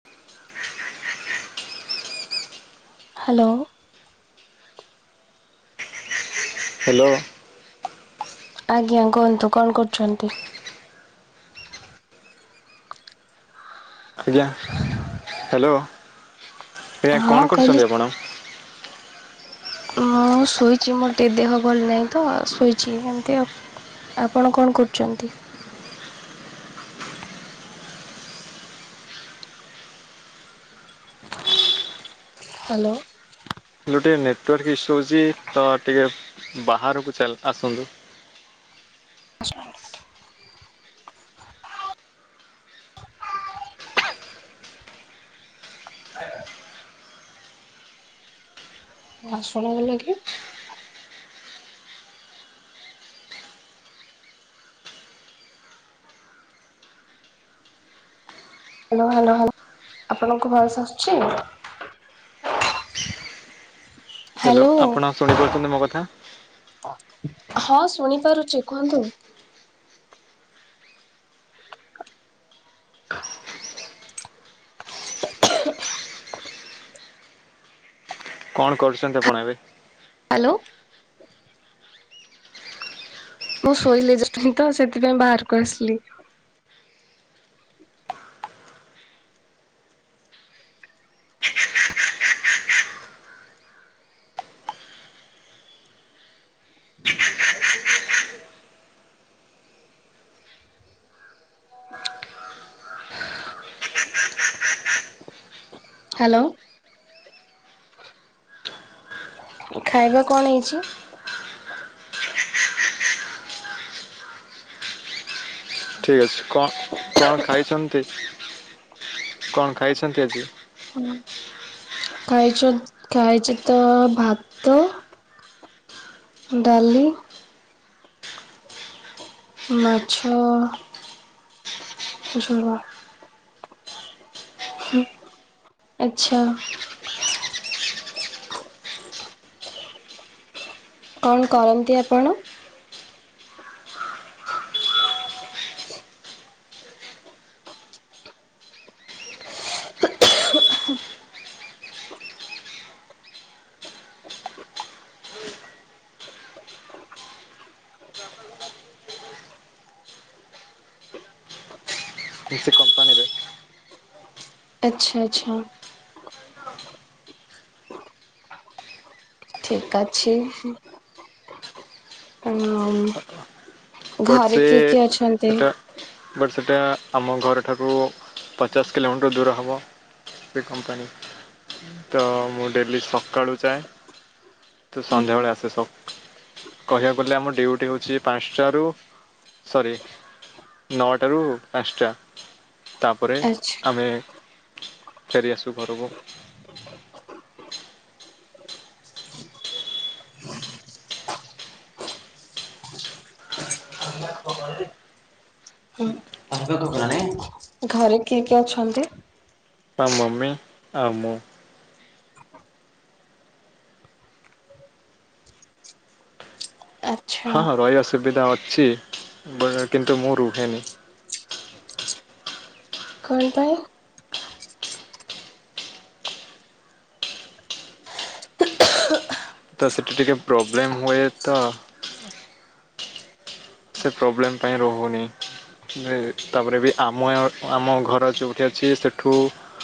[unintelligible] Hello [unintelligible] hello ଆଜ୍ଞା, କୁହନ୍ତୁ କଣ କରୁଛନ୍ତି? ଆଜ୍ଞା, ହାଲୋ, ଆଜ୍ଞା, ହଁ କଣ କହିଲି କରୁଛନ୍ତି ଆପଣ? ମୁଁ, ଶୋଇଛି ମୋର ଟିକେ ଦେହ ଭଲ ନାହିଁ ତ, ଶୋଇଛି ଏମତି ଆଉ ଆପଣ କଣ କରୁଛନ୍ତି? [unintelligible] ହାଲୋ। [unintelligible] ଟିକେ ନେଟୱାର୍କ ଇସ୍ୟୁଅଛି, ତ ଟିକେ ବାହାରକୁ ଚାଲ୍ ଆସନ୍ତୁ। [unintelligible] [unintelligible] ହଁ, ଶୁଣାଗଲା କି? ହାଲୋ ହାଲୋ, ହାଲୋ ଆପଣଙ୍କ ଭଏସ ଆସୁଛି। ହାଲୋ ହ୍ୟାଲୋ ଆପଣ ଶୁଣିପାରୁଛନ୍ତି ମୋ କଥା। ହଁ ଶୁଣିପାରୁଛି, କୁହନ୍ତୁ? [unintelligible] କଣ କରୁଚନ୍ତି ଆପଣ ଏବେ? ହାଲୋ। ବୋଉ ଶୋଇଲେ ଜଷ୍ଟ ହିଁ ତ ସେଥିପାଇଁ ବାହାରକୁ ଆସିଲି। ହାଲୋ। ଖାଇବା କଣ ହେଇଛି। ଠିକ୍ ଅଛି କଣ କଣ ଖାଇଛନ୍ତି କଣ ଖାଇଛନ୍ତି ଆଜି। ଖାଇଚି ଖାାଇଚି ତ ଭାତ ଡାଲି। ମାଛ। ଝୋଳ। ହୁଁ ଆଚ୍ଛା। [inaudible] କଣ କରନ୍ତି ଆପଣ? [inaudible] [inaudible] ଭିସୁ କମ୍ପାନୀରେ। ଆଚ୍ଛା ଆଚ୍ଛା। [inaudible] ଠିକ ଅଛି ହିଁ। ଆଉ ମୋ ମମି। ବଟ୍ ଘରେ ସେ କିଏ କିଏ ଅଛନ୍ତି? ସେଟା ବଟ୍ ସେଇଟା ଆମ ଘରଠାରୁ ପଚାଶ କିଲୋମିଟର ଦୂର ହବ। ସେ କମ୍ପାନୀ ତ ମୁଁ ଡେଲି ସକାଳୁ ଯାଏଁ। ତ ସନ୍ଧ୍ୟାବେଳେ ଆସେ ସ କହିବାକୁ ଗଲେ ଆମ ଡ୍ୟୁଟି ହେଉଛି ପାଞ୍ଚଟାରୁ ସରି। ନଅଟାରୁ ପାଞ୍ଚଟା ତାପରେ ଆଚ୍ଛା ଆମେ ଫେରି ଆସିବି ଘରକୁ। କଁ କଇଲି। [unintelligible] ଘରେ କିଏ କିଏ ଅଛନ୍ତି? ଆଉ ମମି ଆଉ ମୁଁ। ଆଚ୍ଛା ହଁ ହଁଁ ରହିବା ସୁବିଧା ଅଛି। ବ କିନ୍ତୁ ମୁଁ ରୁହେନି। କଣ ପାଇଁ। ତ ସେଠି ଟିକେ ପ୍ରୋବ୍ଲେମ ହୁଏ ତ। ସେ ପ୍ରୋବ୍ଲେମ୍ ପାଇଁ ରହୁନି। ମେ ତାପରେ ବି ଆମ ଆମ ଘର ଯେଉଠି ଅଛି। ସେଠୁ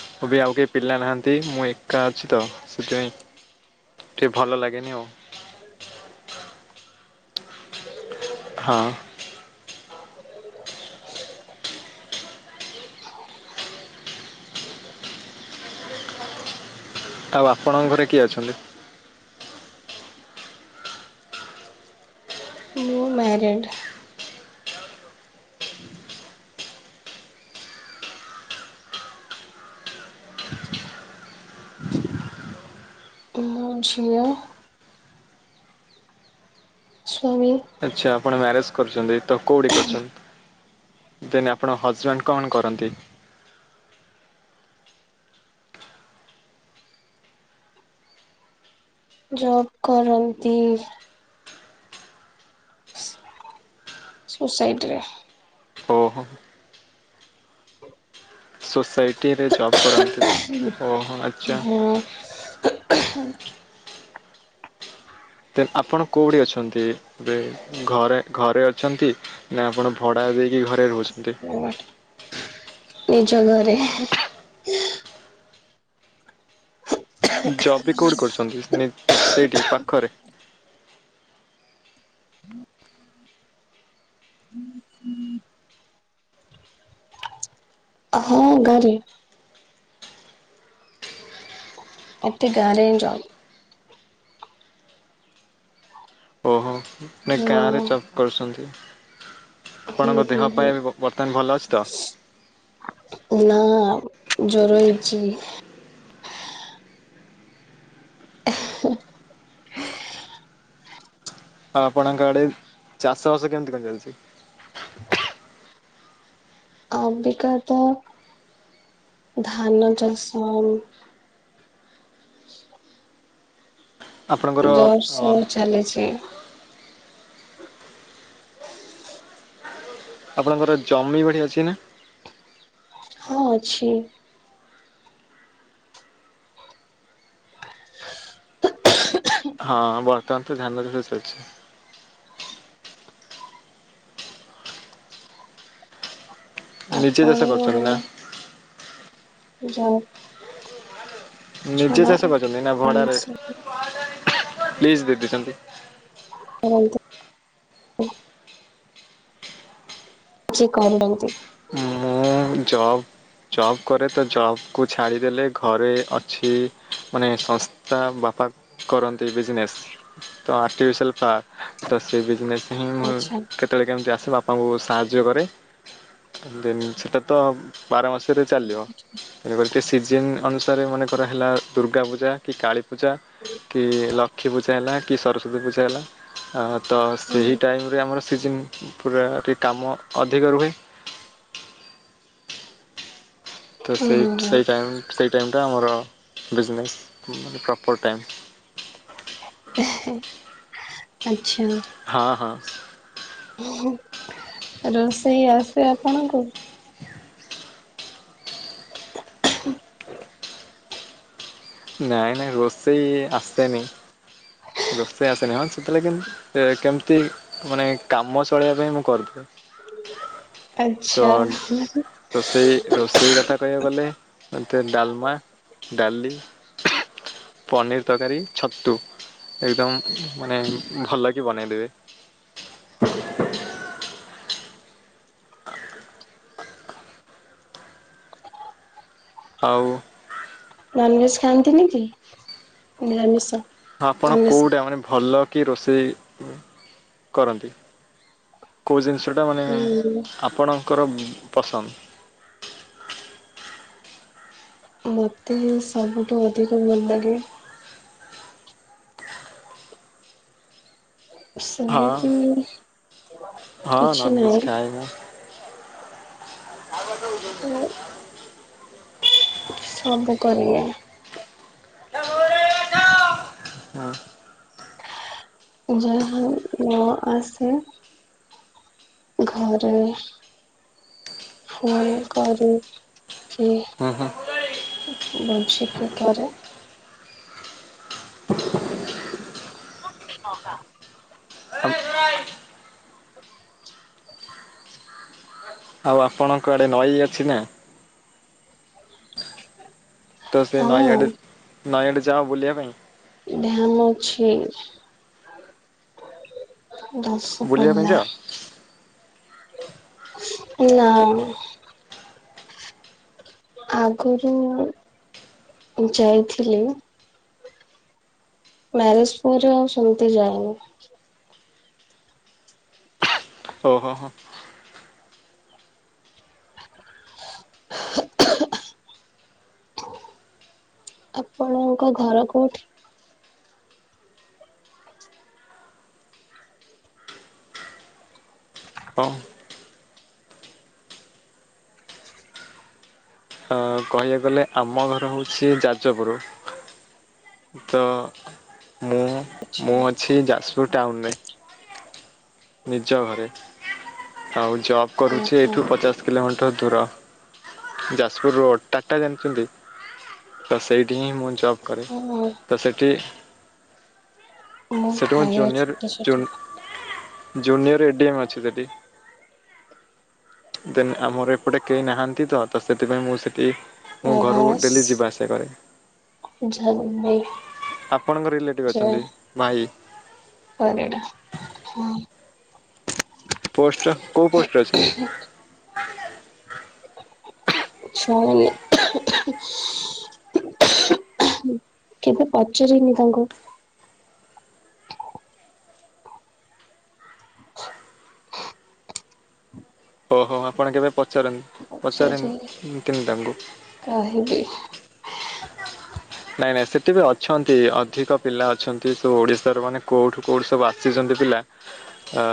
ହେଟି ଆଉ କେହି ପିଲା ନାହାନ୍ତି। ମୁଁ ଏକା ଅଛି ତ ସେଥିପାଇଁ। ଏଠି ଭଲ ଲାଗେନି ଆଉ। ହଁ। ଆଉ ଆପଣଙ୍କ ଘରେ କିଏ ଅଛନ୍ତି? ମ୍ୟାରଡ଼। ମୋ ଝିଅ। ସ୍ୱାମୀ ଆଛା ଆପଣ ମ୍ୟାରେଜ କରୁଚନ୍ତି ତ କୋଉଠି କରୁଚନ୍ତି। ଦେନ୍ ଆପଣଙ୍କ ହଜବେଣ୍ଡ କଣ କରନ୍ତି। ଜବ୍ କରନ୍ତି। ସୋସାଇଟିରେ। ଓହୋ। ସୋସାଇଟିରେ ଜବ୍ କରନ୍ତି ଓହୋ ଆଚ୍ଛା। ମୁଁ ତ ଆପଣ କଉଠି ଅଛନ୍ତି। ଏ ଘରେ ଘରେ ଅଛନ୍ତି ନା ଆପଣ ଭଡ଼ାରେ ଦେଇକି ଘରେ ରହୁଛନ୍ତି। ଆ ନିଜ ଘରେ ଜବି କୋଉଠି କରୁଛନ୍ତି ସେଇଠି ପାଖରେ? ହଁ ଗାରେ ଏତେ ଗାରେ ଯାଉ ଓହୋ ନାଇ ହଁ ଗାଁରେ ଜପ୍ କରୁଛନ୍ତି ହୁଁ ଆପଣଙ୍କ ହୁଁ ଦେହ ହୁଁ ପାଇଁ ବର୍ତ୍ତମାନ ଭଲ ଅଛି ତ? ନା ଜର ହେଇଛି। ଏହେ ହଁ ଆପଣଙ୍କ ଆଡ଼େ ଚାଷ ବାସ କେମିତି କଣ ଚାଲିଛି? ଅବିକା ଧାନ ଚାଷ। ଆପଣଙ୍କର ଅ ଜୋରସୋର୍ ଚାଲିଛି। ଆପଣଙ୍କର ଜମି ବାଡ଼ି ଅଛି ନା? ହଁ ଅଛି। ହଁ ବର୍ତ୍ତମାନ ତ ଧାନଚାଷ ଚାଲିଛି। ନିଜେ ଆପଣ ଚାଷ କରୁଛନ୍ତି ନା? ଯାଅ ନିଜେ ଚାଷ କରୁଛନ୍ତି ନା ଭଡ଼ାରେ କୌଣସି ଲିଜ୍ ଦେଇଦେଇଛନ୍ତି। କରନ୍ତୁ। କିଛି କରୁଅନ୍ତି [unintelligible] ମୁଁ ଜବ୍ ଜବ୍ କରେ ତ ଜବ୍କୁ ଛାଡ଼ିଦେଲେ ଘରେ ଅଛି। ମାନେ ସଂସ୍ଥା ବାପା କରନ୍ତି ବିଜନେସ୍ ତ ଆର୍ଟିଫିସିଆଲ୍ ଫା ତ ସେ ବିଜନେସ୍ ହିଁ ମୁଁ ଆଚ୍ଛା। କେତେବେଳେ କେମିତି ଆସେ ବାପାଙ୍କୁ ସାହାଯ୍ୟ କରେ ଦେନ୍ ସେଟା ତ ବାର ମାସରେ ଚାଲିବ ଗୋଟେ ସିଜିନ୍ ଅନୁସାରେ ମନେକର ହେଲା ଦୁର୍ଗା ପୂଜା କି କାଳୀ ପୂଜା କି ଲକ୍ଷୀପୂଜା ହେଲା କି ସରସ୍ୱତୀ ପୂଜା ହେଲା ତ ହୁଁ ସେହି ଟାଇମରେ ଆମର ସିଜିନ୍ ପୁରା ଟିକେ କାମ ଅଧିକ ରୁହେ। ତ ହୁଁ ସେଇ ହୁଁ ସେଇ ଟାଇମ୍ ସେଇ ଟାଇମ୍ ଟା ଆମର ବିଜନେସ୍ ମାନେ ପ୍ରପର୍ ଟାଇମ୍। ଆଚ୍ଛା। ହଁ ହଁ। ରୋଷେଇ ଆସେ ଆପଣଙ୍କୁ। ନାଇଁ ନାଇଁ ରୋଷେଇ ଆସେନି। ରୋଷେଇ ଆସେନି ହଁ ସେତେଥିଲା କି କେମିତି ମାନେ କାମ ଚଳେଇବା ପାଇଁ ମୁଁ କରିଦେବି ତ ଆଚ୍ଛା ରୋଷେଇ ରୋଷେଇ ସେଇ କଥା କହିବାକୁ ଗଲେ ମୋତେ ଡାଲମା ଡାଲି ପନିର୍ ତରକାରୀ ଛତୁ ଏକ୍ଦମ୍ ମାନେ ଭଲ କି ବନେଇଦେବେ। ଆଉ ନନ୍ଭେଜ ଖାଆନ୍ତିନି କି ନିରାମିଷ। ଆପଣ ଆମିଷ? କୋଉଟା ମାନେ ଭଲକି ରୋଷେଇ କରନ୍ତି। କେଉଁ ଜିନିଷଟା ମାନେ ହୁଁ ଆପଣଙ୍କର ପସନ୍ଦ। ମୋତେ ସବୁଠୁ ଅଧିକ ଭଲ୍ଲାଗେ ହଁ ସେମିତି ହଁ କିଛି ନନ୍ ଭେଜ ନାହିଁ। ଖାଏ ନା [unintelligible] ହୁଁ। ସବୁ କରିବେ। [inaudible] ହଁ। ଯାହା ହଉ ନ ଆସେ [unintelligible] ଘରେ ଫୋନ କରି କି। ଓ ହୋ। ବଞ୍ଚିକି କରେ [inaudible] [inaudible] ଆଉ ଆପଣଙ୍କ ଆଡେ ନଈ ଅଛି ନା? [inaudible] ତ ସେ ନାଈ ହଁ ଆଡେ ନଈ ଆଡେ ଯାଅ ବୁଲିବା ପାଇଁ? ଧ୍ୟାନ ଅଛି। ବାସ ବୁଲିବା ପାଇଁ ପିଲା ଯାଅ [inaudible] ଆଗକୁ ଯାଇଥିଲି ମ୍ୟାରେଜ ପରେ ଆଉ ସେମିତି ଯାଏନି। ଓ ହୋ ହୋ। ଆପଣଙ୍କ ଘର କୋଉଠି? ହଁ। ଆଉ କହିବାକୁ ଗଲେ ଆମ ଘର ହୋଉଛି ଯାଜପୁର। ତ ମୁଁ ମୁଁ ଅଛି ଯାଜପୁର ଟାଉନରେ। ନିଜ ଘରେ ଆଉ ଜବ କରୁଛି ଓହୋ ଏଇଠୁ ପଚାଶ ଦଶ କିଲୋମିଟର ଦୂର ଯାଜପୁର ରୋଡ଼ ଟାଟା ଜାଣିଚନ୍ତି? ତ ସେଇଠି ହିଁ ମୁଁ ଜବ୍ କରେ ହଁ ତ ସେଠି ମୋ ସେଠି ଭାଇ ଜୁନିୟର ଅଛନ୍ତି ସେଠି ଜୁନ ଜୁନିୟର ଏଡିଏମ୍ ଅଛି ସେଠି ଦେନ୍ ଆମର ଏପଟେ କେହି ନାହାନ୍ତି ତ ତ ସେଥିପାଇଁ ମୁଁ ସେଠି ମୁଁ ଘରୁ ପ୍ରଭାସ ଡେଲି ଯିବା ଆସିବା କରେ। [unintelligible] ଆପଣଙ୍କ ରିଲେଟିଭ ଅଛନ୍ତି ଭାଇ? ପରଟା ହଁ। ପୋଷ୍ଟ କୋଉ ପୋଷ୍ଟରେ ଅଛନ୍ତି? [unintelligible] କେବେ ପଚାରିନି ତାଙ୍କୁ? ଓହୋ ଆପଣ କେବେ ପଚାରନ୍ତ ପଚାରି ପଚାରନ୍ତ ତିନି ତାଙ୍କୁ? [unintelligible] ନାଇଁ ନାଇଁ ସେଠି ବି ଅଛନ୍ତି ଅଧିକ ପିଲା ଅଛନ୍ତି ସୋ ଓଡିଶାର ମାନେ କୋଉଠୁ କୋଉଠି ସବୁ ଆ ଆସିିଛନ୍ତି ପିଲା। ଆ